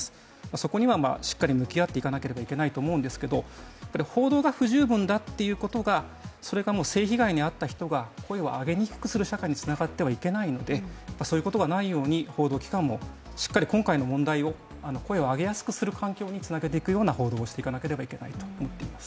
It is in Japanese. そこにはしっかり向き合っていかないといけないんですけど報道が不十分だということが、それが性被害に遭った人が声を上げにくくなる社会につながってはいけないので、報道機関もしっかりこういうことをしっかりつなげていくような報道をしていかなければいけないと思っています。